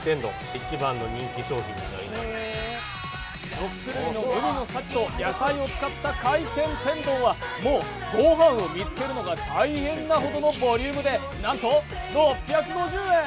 ６種類の海の幸と野菜を使った海鮮天丼はもうご飯を見つけるのが大変なほどのボリュームでなんと６５０円。